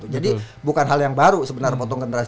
jadi bukan hal yang baru sebenarnya potong generasi